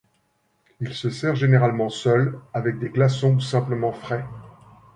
Il se sert généralement seul, avec des glaçons ou simplement frais.